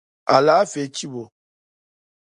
Alaafee chibi o.